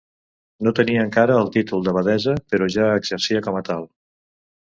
No tenia encara el títol d'abadessa, però ja exercia com a tal.